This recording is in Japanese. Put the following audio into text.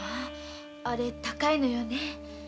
あれ高いのよね。